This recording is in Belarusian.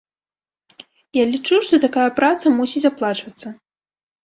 Я лічу, што такая праца мусіць аплачвацца.